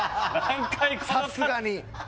さすがに。